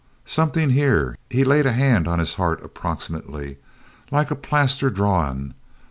"Somethin' here," he laid a hand on his heart, approximately, "like a plaster drawin'.